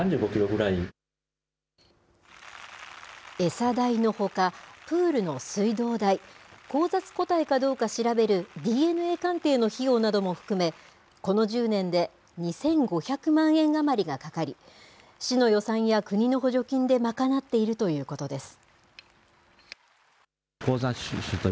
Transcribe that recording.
餌代のほか、プールの水道代、交雑個体かどうか調べるＤＮＡ鑑定の費用なども含め、この１０年で２５００万円余りがかかり、市の予算や国の補助金で賄っているということです。